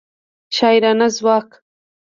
شاعرانه ځواک